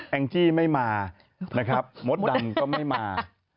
งจี้ไม่มานะครับมดดำก็ไม่มา